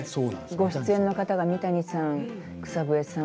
ご出演が三谷幸喜さん、草笛さん